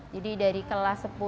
jadi dari kelas sepuluh